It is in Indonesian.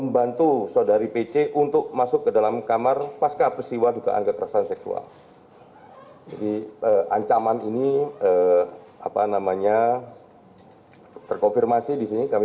berita terkini mengenai penyelidikan